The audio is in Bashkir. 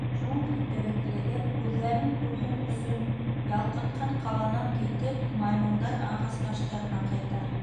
Джунгли тереклеге үҙҙәрен күрһен өсөн, ялҡытҡан ҡаланан китеп, маймылдар ағас баштарына ҡайта.